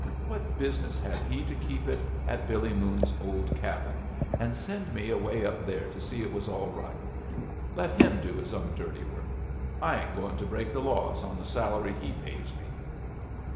What business had he to keep it at Billy Moon's old cabin and send me away up there to see it was all right? Let him do his own dirty work. I ain't going to break the laws on the salary he pays me."